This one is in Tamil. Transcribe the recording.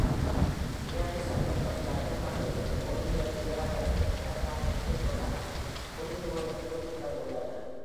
இரண்டு சந்தர்ப்பங்களிலும், மொழியியல் உள்ளடக்கத்தை பரவலாக ஏற்றுக்கொள்ளாமல், புரிந்துகொள்ளும் கூற்றுக்கள் உள்ளன.